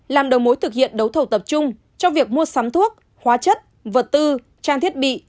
làm đầu mối thực hiện đấu thầu tập trung cho việc mua sắm thuốc hóa chất vật tư trang thiết bị